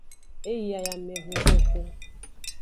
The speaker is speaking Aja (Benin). E yi ayamehunzexu.